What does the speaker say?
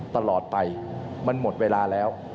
ตลอดไปมันหมดเวลาแล้ว